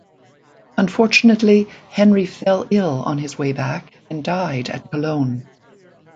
Unfortunately, Henry fell ill on his way back and died at Cologne.